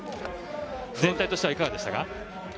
全体としてはいかがでしたか？